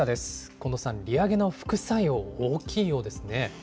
近藤さん、利上げの副作用、大きいようですね。